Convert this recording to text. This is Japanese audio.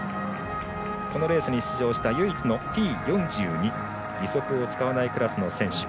このレースに出場した唯一のＴ４２義足を使わないクラスの選手。